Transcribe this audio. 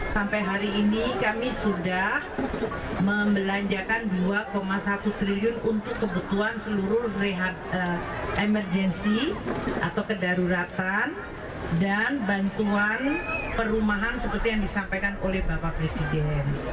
sampai hari ini kami sudah membelanjakan dua satu triliun untuk kebutuhan seluruh emergency atau kedaruratan dan bantuan perumahan seperti yang disampaikan oleh bapak presiden